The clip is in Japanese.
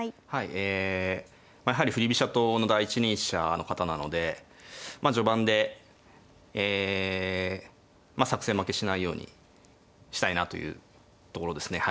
えやはり振り飛車党の第一人者の方なので序盤でえ作戦負けしないようにしたいなというところですねはい。